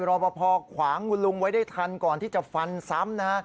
รอปภขวางคุณลุงไว้ได้ทันก่อนที่จะฟันซ้ำนะฮะ